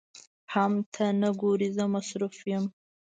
حم ته نه ګورې زه مصروف يم.